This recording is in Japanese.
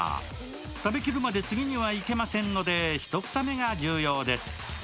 食べきるまで次にはいけませんので、１房目が重要です。